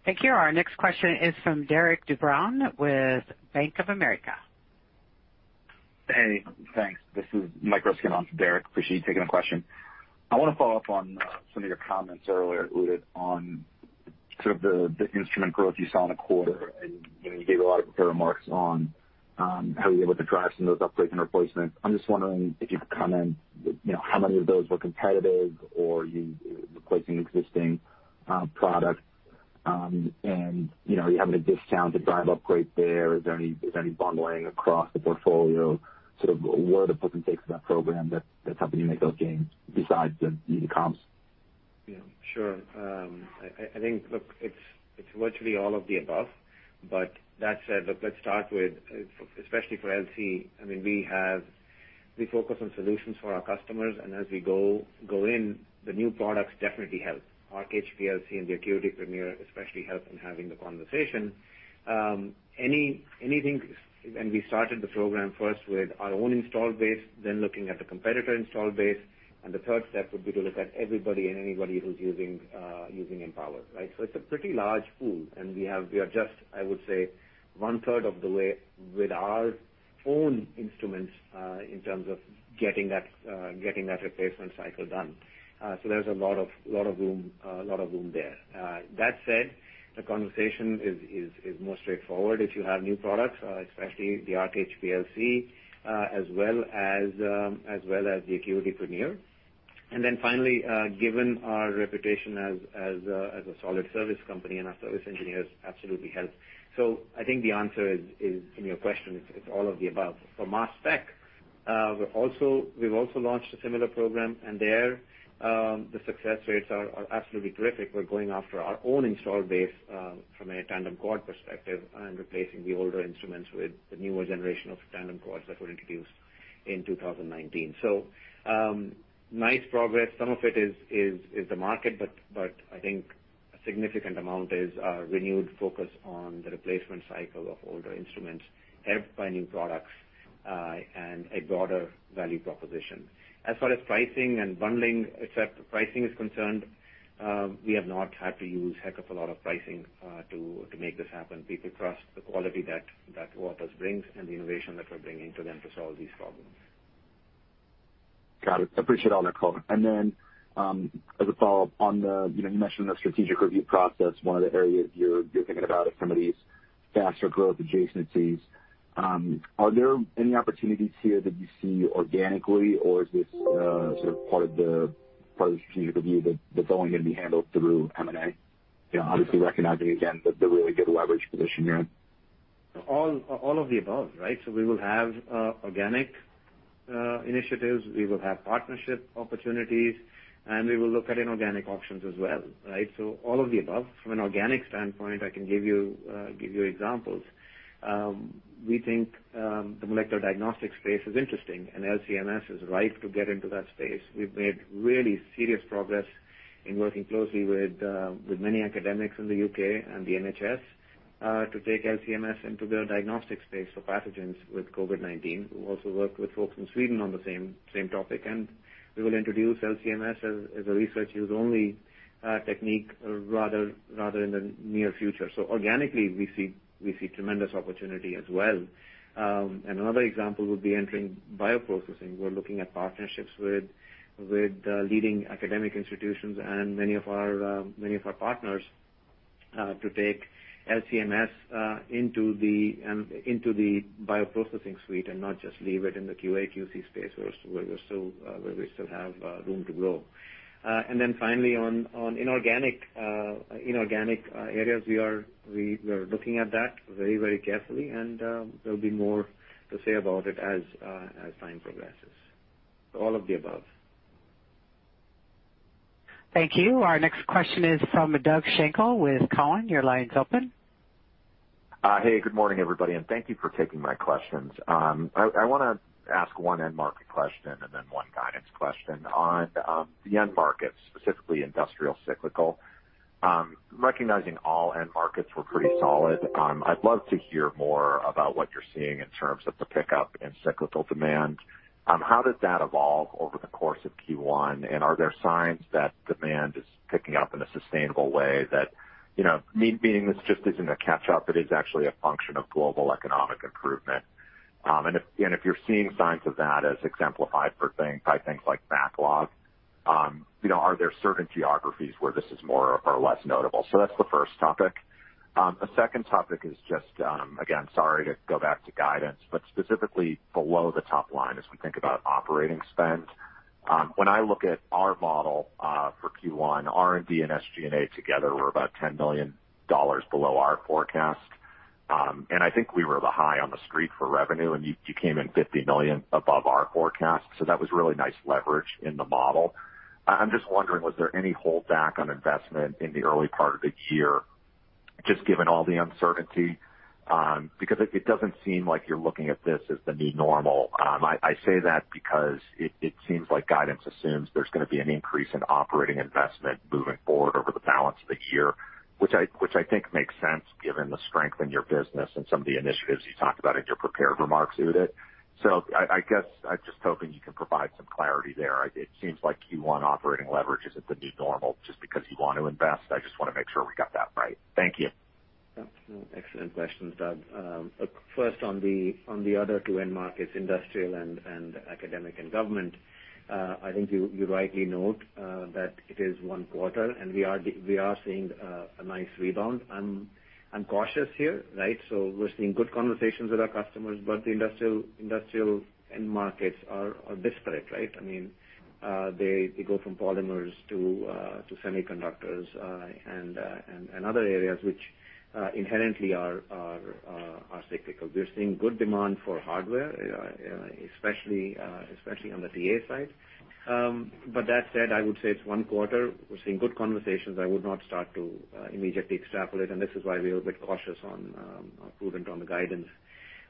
Thank you. Our next question is from Derik De Bruin with Bank of America. Hey, thanks. This is Michael Ryskin on for Derik. Appreciate you taking the question. I want to follow up on some of your comments earlier, Udit, on sort of the instrument growth you saw in the quarter. You gave a lot of good remarks on how you were able to drive some of those upgrades and replacements. I'm just wondering if you could comment how many of those were competitive or you replacing existing products. Are you having to discount to drive upgrade there? Is there any bundling across the portfolio, sort of where are the puts and takes of that program that's helping you make those gains besides the comps? Yeah, sure. I think, look, it's virtually all of the above. That said, let's start with, especially for LC, we focus on solutions for our customers, and as we go in, the new products definitely help. Our HPLC and the ACQUITY PREMIER especially help in having the conversation. We started the program first with our own install base, then looking at the competitor install base, and the third step would be to look at everybody and anybody who's using Empower, right? It's a pretty large pool, and we are just, I would say, one-third of the way with our own instruments in terms of getting that replacement cycle done. There's a lot of room there. That said, the conversation is more straightforward if you have new products, especially the Arc HPLC as well as the ACQUITY Premier. Finally, given our reputation as a solid service company and our service engineers absolutely helps. I think the answer in your question is all of the above. For mass spec, we've also launched a similar program. There, the success rates are absolutely terrific. We're going after our own install base from a tandem quad perspective and replacing the older instruments with the newer generation of tandem quads that were introduced in 2019. Nice progress. Some of it is the market, I think a significant amount is our renewed focus on the replacement cycle of older instruments helped by new products, and a broader value proposition. As far as pricing and bundling, except pricing is concerned, we have not had to use a heck of a lot of pricing to make this happen. People trust the quality that Waters brings and the innovation that we're bringing to them to solve these problems. Got it. I appreciate all that, Udit. As a follow-up, you mentioned the strategic review process, one of the areas you're thinking about is some of these faster growth adjacencies. Are there any opportunities here that you see organically, or is this sort of part of the strategic review that's only going to be handled through M&A? Obviously recognizing, again, the really good leverage position you're in. All of the above, right? We will have organic initiatives, we will have partnership opportunities, and we will look at inorganic options as well, right? All of the above. From an organic standpoint, I can give you examples. We think the molecular diagnostics space is interesting, and LC-MS is rife to get into that space. We've made really serious progress in working closely with many academics in the U.K. and the NHS, to take LC-MS into the diagnostic space for pathogens with COVID-19. We've also worked with folks from Sweden on the same topic. We will introduce LC-MS as a research use only technique rather in the near future. Organically, we see tremendous opportunity as well. Another example would be entering bioprocessing. We're looking at partnerships with leading academic institutions and many of our partners to take LC-MS into the bioprocessing suite and not just leave it in the QA/QC space where we still have room to grow. Finally, on inorganic areas, we are looking at that very carefully, and there will be more to say about it as time progresses. All of the above. Thank you. Our next question is from Doug Schenkel with Cowen. Your line is open. Hey, good morning, everybody. Thank you for taking my questions. I want to ask one end market question and then one guidance question. On the end markets, specifically industrial cyclical, recognizing all end markets were pretty solid, I'd love to hear more about what you're seeing in terms of the pickup in cyclical demand. How did that evolve over the course of Q1, and are there signs that demand is picking up in a sustainable way that, me being this just isn't a catch-up, it is actually a function of global economic improvement. If you're seeing signs of that as exemplified by things like backlog, are there certain geographies where this is more or less notable? That's the first topic. A second topic is just, again, sorry to go back to guidance, but specifically below the top line as we think about operating spend. When I look at our model for Q1, R&D and SG&A together were about $10 million below our forecast. I think we were the high on the street for revenue, and you came in $50 million above our forecast. That was really nice leverage in the model. I'm just wondering, was there any holdback on investment in the early part of the year, just given all the uncertainty? It doesn't seem like you're looking at this as the new normal. I say that because it seems like guidance assumes there's going to be an increase in operating investment moving forward over the balance of the year, which I think makes sense given the strength in your business and some of the initiatives you talked about in your prepared remarks, Udit. I guess I'm just hoping you can provide some clarity there. It seems like Q1 operating leverage isn't the new normal just because you want to invest. I just want to make sure we got that right. Thank you. Excellent questions, Doug. First on the other two end markets, industrial and academic and government, I think you rightly note that it is one quarter and we are seeing a nice rebound. I'm cautious here, right? We're seeing good conversations with our customers, but the industrial end markets are disparate, right? They go from polymers to semiconductors, and other areas which inherently are cyclical. We're seeing good demand for hardware, especially on the TA side. That said, I would say it's one quarter. We're seeing good conversations. I would not start to immediately extrapolate, and this is why we are a bit cautious on our prudent on the guidance.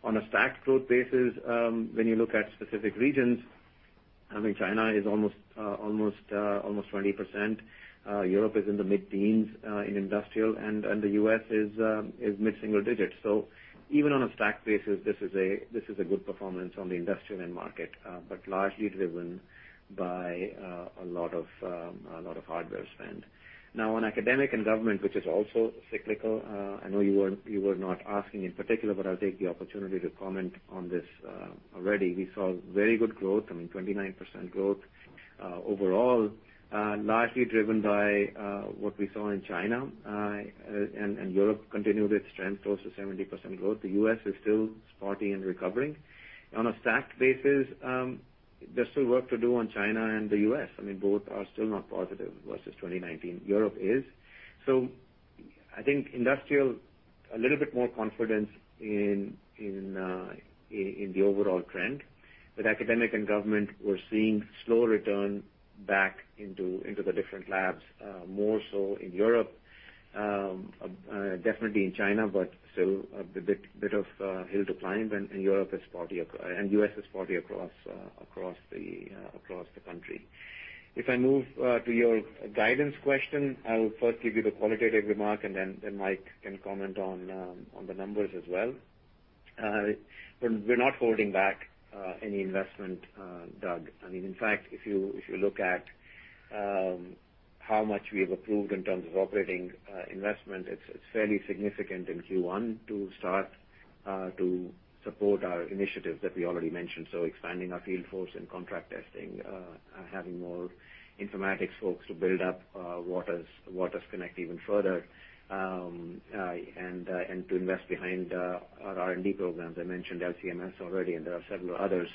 On a stacked growth basis, when you look at specific regions, I think China is almost 20%. Europe is in the mid-teens in industrial, and the U.S. is mid-single digits. Even on a stacked basis, this is a good performance on the industrial end market, but largely driven by a lot of hardware spend. On academic and government, which is also cyclical, I know you were not asking in particular, but I'll take the opportunity to comment on this. Already, we saw very good growth, I mean, 29% growth overall. Largely driven by what we saw in China, and Europe continued its strength, close to 70% growth. The U.S. is still spotty and recovering. On a stack basis, there's still work to do on China and the U.S. Both are still not positive versus 2019. Europe is. I think industrial, a little bit more confidence in the overall trend. With academic and government, we're seeing slow return back into the different labs, more so in Europe, definitely in China, but still a bit of hill to climb, and Europe is spotty, and U.S. is spotty across the country. If I move to your guidance question, I will first give you the qualitative remark, and then Mike can comment on the numbers as well. We're not holding back any investment, Doug. In fact, if you look at how much we have approved in terms of operating investment, it's fairly significant in Q1 to start to support our initiatives that we already mentioned. Expanding our field force and contract testing, having more informatics folks to build up waters_connect even further, and to invest behind our R&D programs. I mentioned LC-MS already, and there are several others.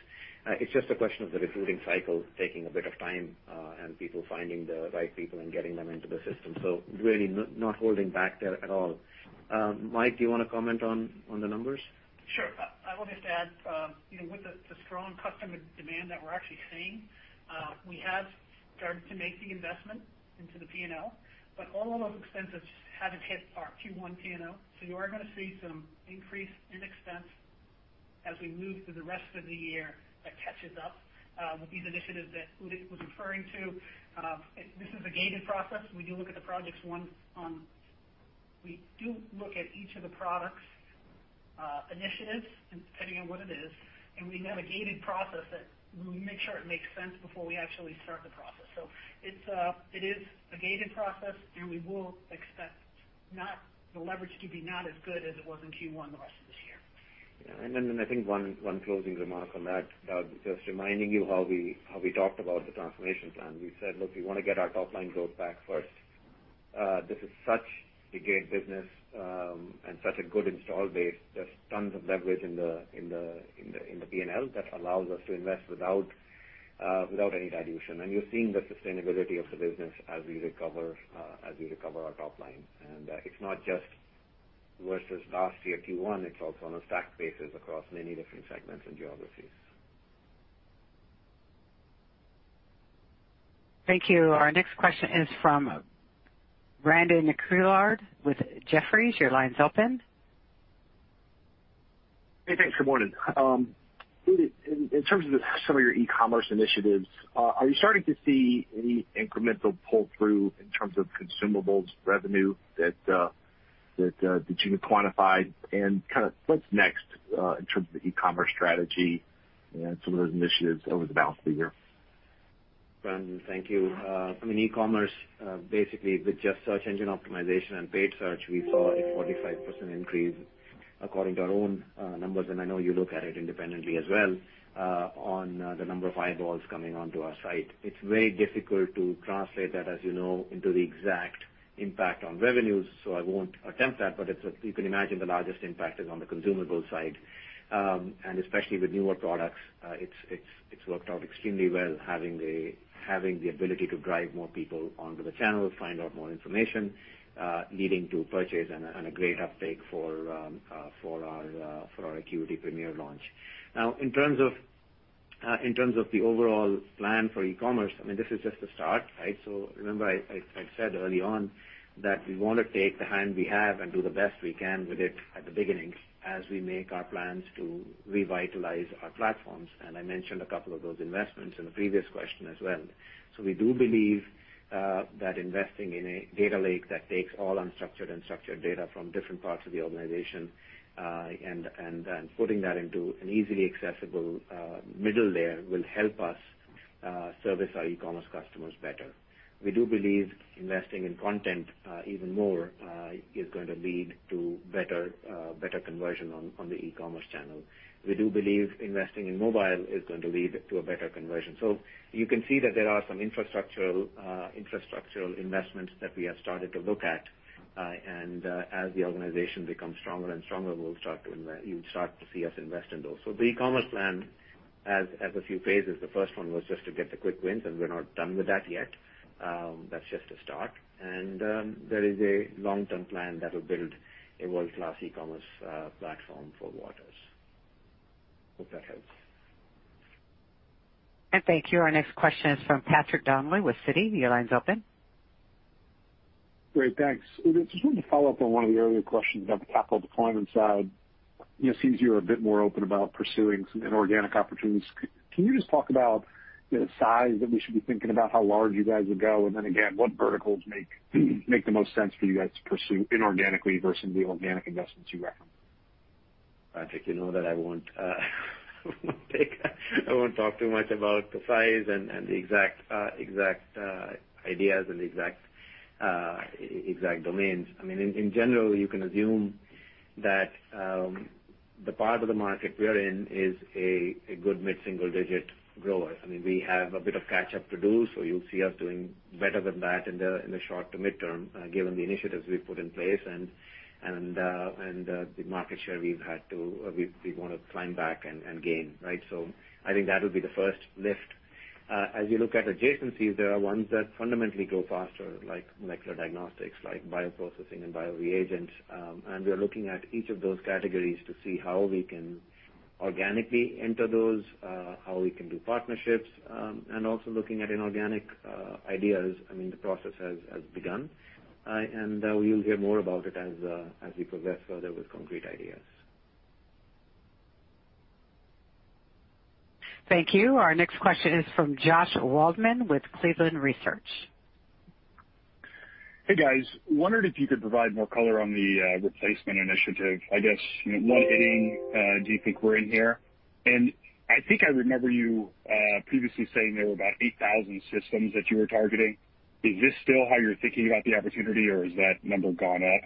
It's just a question of the recruiting cycle taking a bit of time and people finding the right people and getting them into the system. Really not holding back there at all. Mike, do you want to comment on the numbers? Sure. I will just add, with the strong customer demand that we're actually seeing, we have started to make the investment into the P&L, but all of those expenses haven't hit our Q1 P&L. You are going to see some increase in expense as we move through the rest of the year that catches up with these initiatives that Udit was referring to. This is a gated process. We do look at each of the products' initiatives, depending on what it is, and we have a gated process that we make sure it makes sense before we actually start the process. It is a gated process, and we will expect the leverage to be not as good as it was in Q1 the rest of this year. Yeah. Then I think one closing remark on that, Doug, just reminding you how we talked about the transformation plan. We said, look, we want to get our top-line growth back first. This is such a great business, and such a good install base. There's tons of leverage in the P&L that allows us to invest without any dilution. You're seeing the sustainability of the business as we recover our top line. It's not just versus last year Q1, it's also on a stack basis across many different segments and geographies. Thank you. Our next question is from Brandon Couillard with Jefferies. Your line's open. Hey, thanks. Good morning. Udit, in terms of some of your e-commerce initiatives, are you starting to see any incremental pull-through in terms of consumables revenue that you can quantify? What's next in terms of the e-commerce strategy and some of those initiatives over the balance of the year? Brandon, thank you. E-commerce, basically with just search engine optimization and paid search, we saw a 45% increase according to our own numbers, and I know you look at it independently as well, on the number of eyeballs coming onto our site. It's very difficult to translate that, as you know, into the exact impact on revenues, so I won't attempt that, but you can imagine the largest impact is on the consumables side. Especially with newer products, it's worked out extremely well, having the ability to drive more people onto the channel, find out more information, leading to purchase and a great uptake for our ACQUITY PREMIER launch. Now, in terms of the overall plan for e-commerce, this is just the start. Remember, I said early on that we want to take the hand we have and do the best we can with it at the beginning as we make our plans to revitalize our platforms, and I mentioned a couple of those investments in the previous question as well. We do believe that investing in a data lake that takes all unstructured and structured data from different parts of the organization, and then putting that into an easily accessible middle layer will help us service our e-commerce customers better. We do believe investing in content even more is going to lead to better conversion on the e-commerce channel. We do believe investing in mobile is going to lead to a better conversion. You can see that there are some infrastructural investments that we have started to look at, and as the organization becomes stronger and stronger, you'll start to see us invest in those. The e-commerce plan has a few phases. The first one was just to get the quick wins, and we're not done with that yet. That's just a start. There is a long-term plan that will build a world-class e-commerce platform for Waters. Hope that helps. Thank you. Our next question is from Patrick Donnelly with Citi. Your line's open. Great. Thanks. Udit, I just wanted to follow up on one of the earlier questions on the capital deployment side. It seems you're a bit more open about pursuing some inorganic opportunities. Can you just talk about the size that we should be thinking about, how large you guys would go, and then again, what verticals make the most sense for you guys to pursue inorganically versus the organic investments you referenced? Patrick, you know that I won't talk too much about the size and the exact ideas and exact domains. In general, you can assume that. The part of the market we are in is a good mid-single-digit grower. We have a bit of catch-up to do, so you'll see us doing better than that in the short to mid-term, given the initiatives we've put in place and the market share we want to climb back and gain. I think that will be the first lift. As you look at adjacencies, there are ones that fundamentally grow faster, like molecular diagnostics, like bioprocessing and bioreagents, and we are looking at each of those categories to see how we can organically enter those, how we can do partnerships, and also looking at inorganic ideas. The process has begun, and you'll hear more about it as we progress further with concrete ideas. Thank you. Our next question is from Josh Waldman with Cleveland Research. Hey, guys. Wondered if you could provide more color on the replacement initiative. I guess, what inning do you think we're in here? I think I remember you previously saying there were about 8,000 systems that you were targeting. Is this still how you're thinking about the opportunity, or has that number gone up?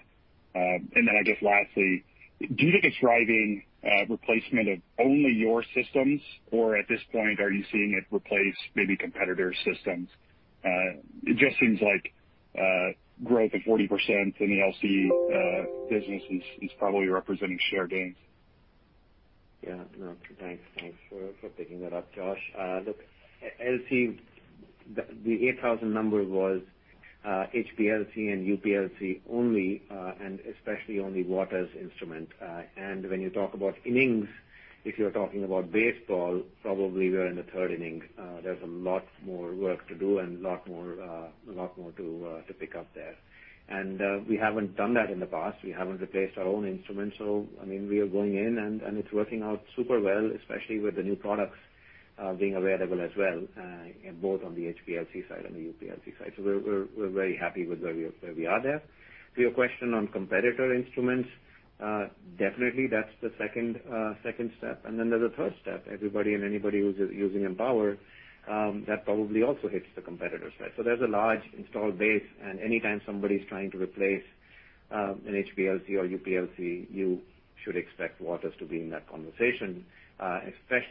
I guess lastly, do you think it's driving replacement of only your systems, or at this point, are you seeing it replace maybe competitor systems? It just seems like growth of 40% in the LC business is probably representing share gains. Yeah. No. Thanks for picking that up, Josh. Look, LC, the 8,000 number was HPLC and UPLC only, and especially only Waters instrument. When you talk about innings, if you're talking about baseball, probably we're in the third inning. There's a lot more work to do and a lot more to pick up there. We haven't done that in the past. We haven't replaced our own instruments. We are going in and it's working out super well, especially with the new products being available as well, both on the HPLC side and the UPLC side. We're very happy with where we are there. To your question on competitor instruments, definitely that's the second step. There's a third step. Everybody and anybody who's using Empower, that probably also hits the competitors, right? There's a large installed base, and anytime somebody's trying to replace an HPLC or UPLC, you should expect Waters to be in that conversation. This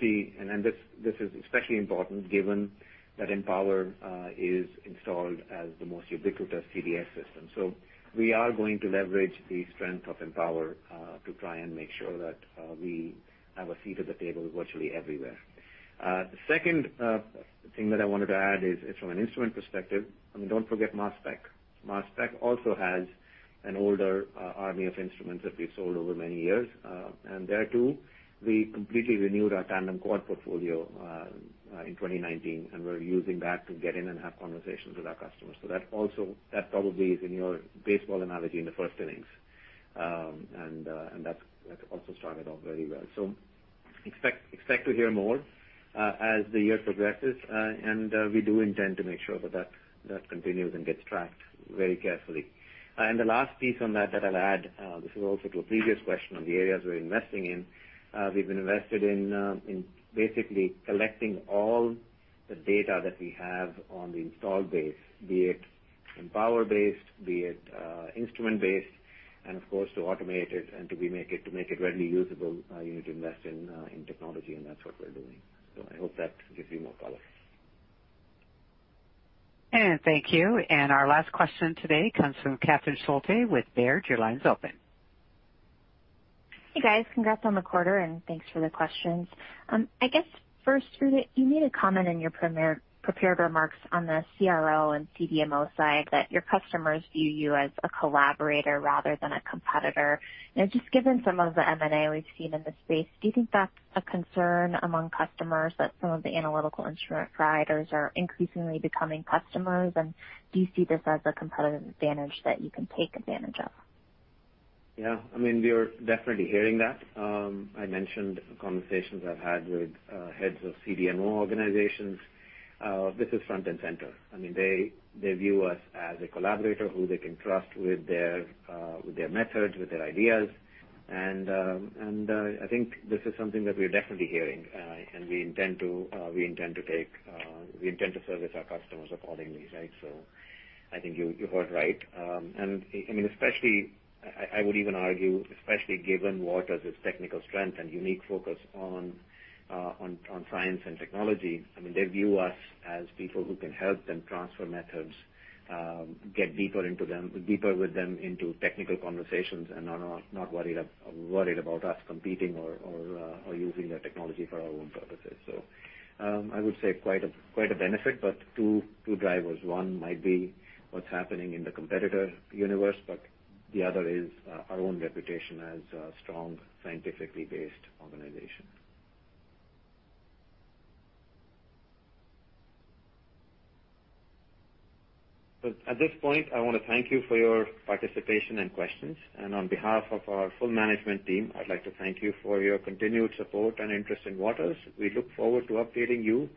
is especially important given that Empower is installed as the most ubiquitous CDS system. We are going to leverage the strength of Empower to try and make sure that we have a seat at the table virtually everywhere. The second thing that I wanted to add is from an instrument perspective, don't forget Mass Spec. Mass Spec also has an older army of instruments that we've sold over many years. There, too, we completely renewed our tandem quad portfolio in 2019, and we're using that to get in and have conversations with our customers. That probably is, in your baseball analogy, in the first innings. That's also started off very well. Expect to hear more as the year progresses, and we do intend to make sure that continues and gets tracked very carefully. The last piece on that that I'll add, this is also to a previous question on the areas we're investing in. We've invested in basically collecting all the data that we have on the installed base, be it Empower-based, be it instrument-based, and of course, to automate it and to make it readily usable, you need to invest in technology, and that's what we're doing. I hope that gives you more color. Thank you. Our last question today comes from Catherine Schulte with Baird. Your line's open. Hey, guys. Congrats on the quarter, thanks for the questions. I guess first, Udit, you made a comment in your prepared remarks on the CRO and CDMO side that your customers view you as a collaborator rather than a competitor. Now, just given some of the M&A we've seen in the space, do you think that's a concern among customers that some of the analytical instrument providers are increasingly becoming customers? Do you see this as a competitive advantage that you can take advantage of? Yeah. We are definitely hearing that. I mentioned conversations I've had with heads of CDMO organizations. This is front and center. They view us as a collaborator who they can trust with their methods, with their ideas, and I think this is something that we're definitely hearing, and I intend to service our customers accordingly. I think you heard right. Especially, I would even argue, especially given Waters' technical strength and unique focus on science and technology, they view us as people who can help them transfer methods, get deeper with them into technical conversations and are not worried about us competing or using their technology for our own purposes. I would say quite a benefit, but two drivers. One might be what's happening in the competitor universe, but the other is our own reputation as a strong, scientifically-based organization. At this point, I want to thank you for your participation and questions, and on behalf of our full management team, I'd like to thank you for your continued support and interest in Waters. We look forward to updating you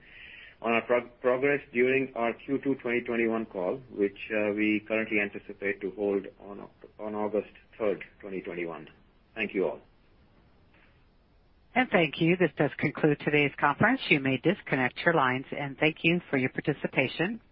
on our progress during our Q2 2021 call, which we currently anticipate to hold on August 3rd, 2021. Thank you all. Thank you. This does conclude today's conference. You may disconnect your lines, and thank you for your participation.